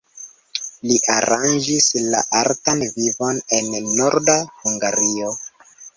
Li aranĝis la artan vivon en Norda Hungario.